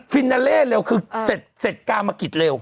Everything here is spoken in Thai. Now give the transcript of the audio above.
นาเล่เร็วคือเสร็จกามกิจเร็ว